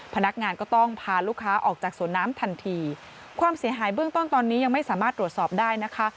พนักงานก็ต้องพาลูกค้าออกจากสวนน้ำทันทีความเสียหายเบื้องต้นตอนนี้ยังไม่สามารถตรวจสอบได้นะคะ